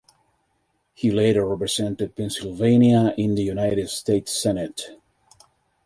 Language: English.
He later represented Pennsylvania in the United States Senate.